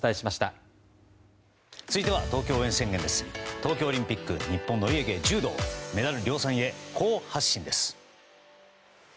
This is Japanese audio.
東京オリンピック日本のお家芸柔道メダル量産へ好発進です。